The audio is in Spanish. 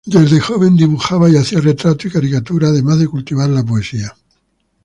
Desde joven dibujaba y hacía retratos y caricaturas, además de cultivar la poesía.